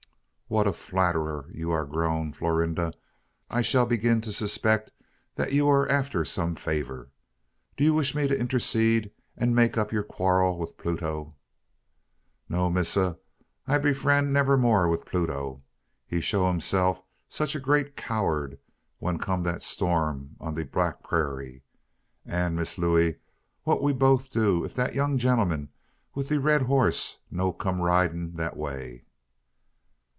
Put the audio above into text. "What a flatterer you are grown, Florinda! I shall begin to suspect that you are after some favour. Do you wish me to intercede, and make up your quarrel with Pluto?" "No, missa. I be friend nebber more wid Pluto. He show hisseff such great coward when come dat storm on de brack prairee. Ah, Miss Looey! what we boaf do if dat young white gen'l'm on de red hoss no come ridin' dat way?"